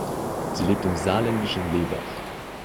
Sie lebt im saarländischen Lebach.